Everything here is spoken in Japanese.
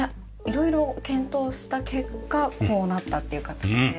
色々検討した結果こうなったっていう形で。